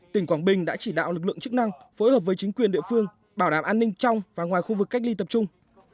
tỉnh quảng bình đã chỉ đạo lực lượng chức năng phối hợp với chính quyền địa phương bảo đảm an ninh trong và ngoài khu vực cách ly tập trung